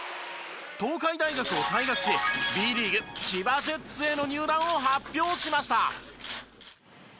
東海大学を退学しＢリーグ千葉ジェッツへの入団を発表しました。